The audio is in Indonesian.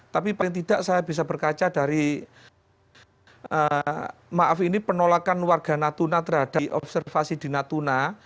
tapi paling tidak saya bisa berkaca dari maaf ini penolakan warga natuna terhadap observasi di natuna